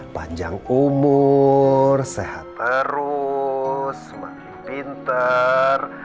panjang umur sehat terus semakin pinter